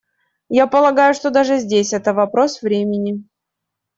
Я полагаю, что даже здесь это вопрос времени.